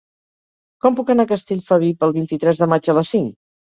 Com puc anar a Castellfabib el vint-i-tres de maig a les cinc?